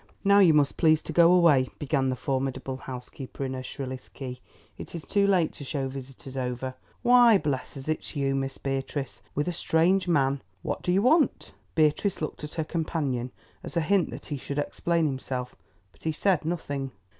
"Now you must please to go away," began the formidable housekeeper in her shrillest key; "it is too late to show visitors over. Why, bless us, it's you, Miss Beatrice, with a strange man! What do you want?" Beatrice looked at her companion as a hint that he should explain himself, but he said nothing.